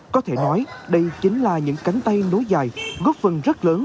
có thể nói đây chính là những cánh tay nối dài góp phần rất lớn